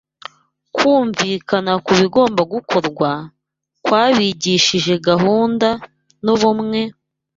Kumvikana ku bigomba gukorwa kwabigishije gahunda n’ubumwe,